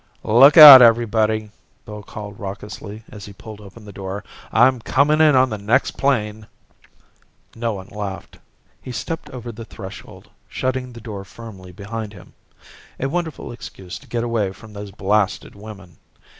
"Look out, everybody!" Bill called raucously, as he pulled open the door. "I'm coming in on the next plane!" No one laughed. He stepped over the threshold, shutting the door firmly behind him. A wonderful excuse to get away from those blasted women.